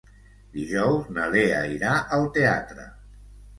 Dijous na Lea irà al teatre.